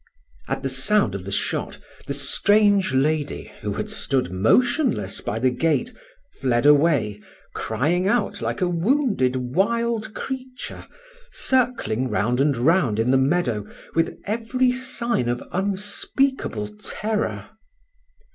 At the sound of the shot, the strange lady, who had stood motionless by the gate, fled away, crying out like a wounded wild creature, circling round and round in the meadow, with every sign of unspeakable terror.